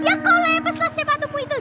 ya kau lepaslah sepatumu itu